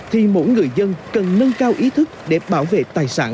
thì mỗi người dân cần nâng cao ý thức để bảo vệ tài sản và tính mạng